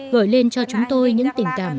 gửi lên cho chúng tôi những tình cảm